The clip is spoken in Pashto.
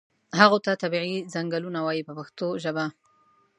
هغو ته طبیعي څنګلونه وایي په پښتو ژبه.